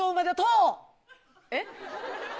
えっ？